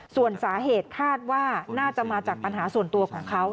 ส่วนสาเหตุคาดว่าน่าจะมาจากปัญหาส่วนตัวของเขา